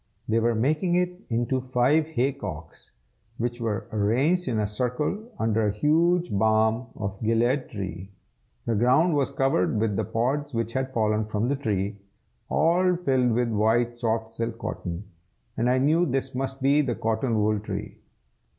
They were making it into five hay cocks, which were arranged in a circle under a huge balm of Gilead tree. The ground was covered with the pods which had fallen from the tree, all filled with white soft silk cotton, and I knew this must be the cotton wool tree.